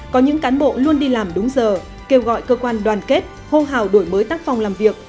có những cán bộ luôn đi làm đúng giờ kêu gọi cơ quan đoàn kết hôn hào đổi mới tắc phòng làm việc